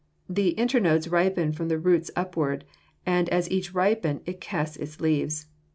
The internodes ripen from the roots upward, and as each ripens it casts its leaves.